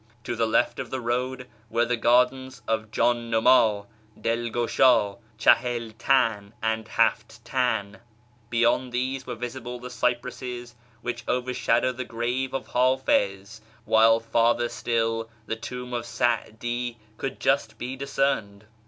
To the left of the road were the gardens of Jdifir numd, Dil gushd, Chahil tan, and Haft tan ; beyond these were visible the cypresses which overshadow the grave of Hafiz; while farther still the tomb of Sa'di could just be discerned.